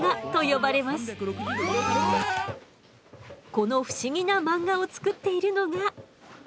この不思議な漫画を作っているのが。